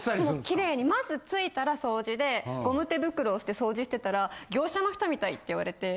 キレイにまず着いたら掃除でゴム手袋をして掃除してたら業者の人みたいって言われて。